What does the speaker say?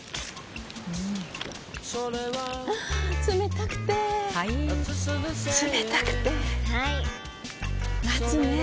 あ冷たくてはい冷たくてはい夏ねえ